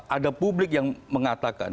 ada publik yang mengatakan